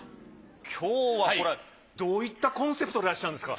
今日はこれはどういったコンセプトでいらっしゃるんですか？